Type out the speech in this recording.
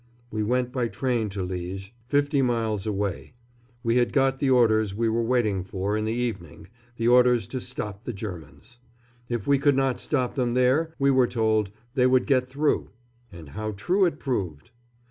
We went by train to Liège, fifty miles away. We had got the orders we were waiting for in the evening the orders to stop the Germans. If we could not stop them there, we were told, they would get through. And how true it proved!